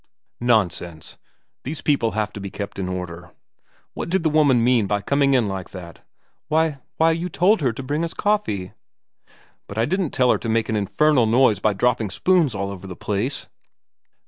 ' Nonsense. These people have to be kept in order. What did the woman mean by coming in like that ?'* Why, you told her to bring us coffee.' xvn VERA 195 ' But I didn't tell her to make an infernal noise by dropping spoons all over the place.'